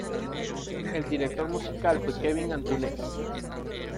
El director musical fue Kevin Antunes.